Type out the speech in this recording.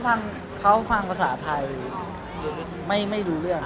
คือเค้าฟังภาษาไทยไม่รู้เรื่อง